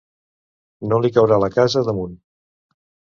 No li caurà la casa damunt!